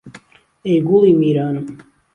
ئهی گوڵی میرانم